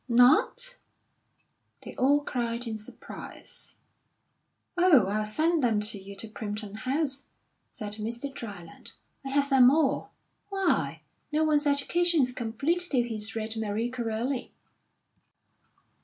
"Not?" they all cried in surprise. "Oh, I'll send them to you to Primpton House," said Mr. Dryland. "I have them all. Why, no one's education is complete till he's read Marie Corelli."